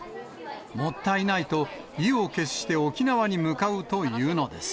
もったいないと、意を決して沖縄に向かうというのです。